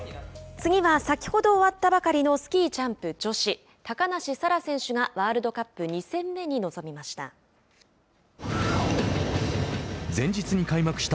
次は、先ほど終わったばかりのスキージャンプ女子高梨沙羅選手がワールドカップ２戦目に臨みました。